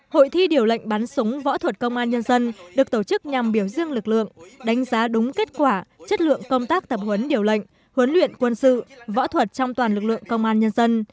hội thi điều lệnh bắn súng võ thuật công an nhân dân được tổ chức nhằm biểu dương lực lượng đánh giá đúng kết quả chất lượng công tác tập huấn điều lệnh huấn luyện quân sự võ thuật trong toàn lực lượng công an nhân dân